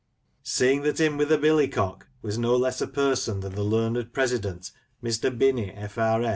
Seeing that " 'im wi' th' billycock " was no less a person than the learned President, Mr. Binney, F.R.